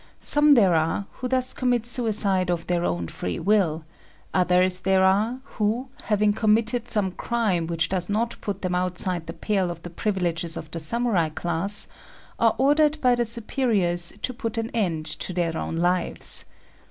Some there are who thus commit suicide of their own free will; others there are who, having committed some crime which does not put them outside the pale of the privileges of the Samurai class, are ordered by their superiors to put an end to their own lives.